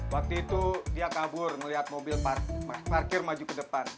waktu itu dia kabur melihat mobil parkir maju ke depan